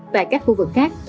ba tại các khu vực khác